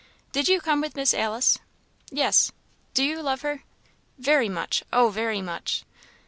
Did you come with Miss Alice?" "Yes." "Do you love her?" "Very much! oh, very much!"